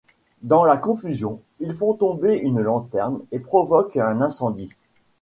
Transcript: Dans la confusion, ils font tomber une lanterne et provoquent un incendie.